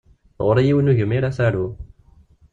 Ɣur-i yiwen n ugemmir ad t-aruɣ.